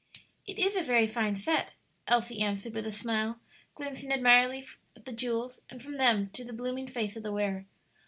"It is a very fine set," Elsie answered, with a smile, glancing admiringly at the jewels and from them to the blooming face of the wearer.